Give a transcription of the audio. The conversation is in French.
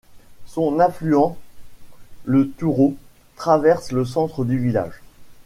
Son affluent, le Tourot, traverse le centre du village.